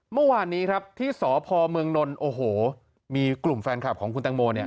เมื่อวานนี้ที่สพมนมีกลุ่มแฟนคลับของคุณตังโม